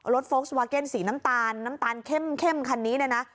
รถโฟลกซ์วาเก้นสีน้ำตาลน้ำตาลเข้มคันนี้นะ